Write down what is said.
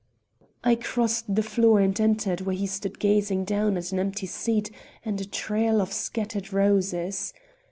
I crossed the floor and entered where he stood gazing down at an empty seat and a trail of scattered roses.